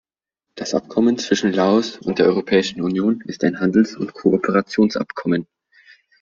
Das Abkommen zwischen Laos und der Europäischen Union ist ein Handelsund Kooperationsabkommen.